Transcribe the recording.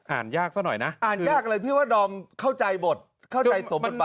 ยากซะหน่อยนะอ่านยากเลยพี่ว่าดอมเข้าใจบทเข้าใจสมบทบาท